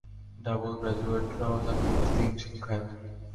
Double গ্রাজুয়েটরাও চাকরি খুঁজতে হিমশিম খায়।